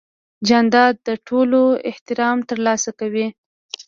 جانداد د ټولو احترام ترلاسه کوي.